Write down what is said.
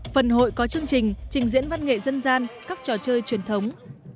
phần hội có chương trình trình diễn văn nghệ dân gian các trò chơi truyền thống